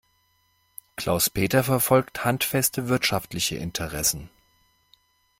Klaus-Peter verfolgt handfeste wirtschaftliche Interessen.